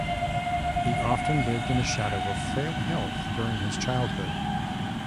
He often lived in the shadow of frail health during his childhood.